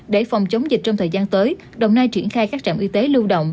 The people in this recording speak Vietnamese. để phòng chống dịch trong thời gian tới đồng nai triển khai các trạm y tế lưu động